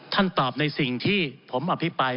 ท่านตอบในสิ่งที่ผมอภิปาย